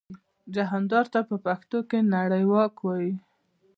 جهاندار ته په پښتو کې نړیواک وايي.